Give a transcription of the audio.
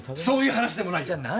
そういう話でもないよ。